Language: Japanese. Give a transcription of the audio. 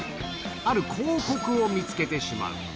ある広告を見つけてしまう。